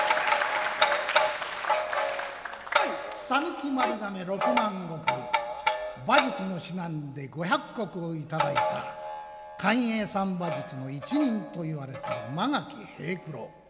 讃岐丸亀６万石馬術の指南で５００石を頂いた寛永三馬術の一人といわれた曲垣平九郎。